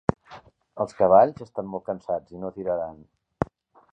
Els cavalls estan molt cansats i no tiraran.